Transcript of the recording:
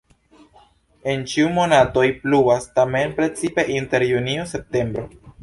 En ĉiuj monatoj pluvas, tamen precipe inter junio-septembro.